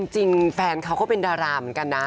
จริงแฟนเขาก็เป็นดาราเหมือนกันนะ